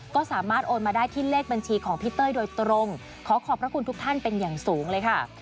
ก็สามารถโอนมาได้ที่เลขบัญชีของพี่เต้ยโดยตรงขอขอบพระคุณทุกท่านเป็นอย่างสูงเลยค่ะ